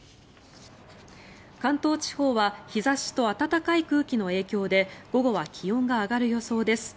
関東地方は日差しと暖かい空気の影響で午後は気温が上がる予想です。